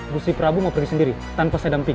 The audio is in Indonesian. gusti prabu mau pergi sendiri tanpa saya damping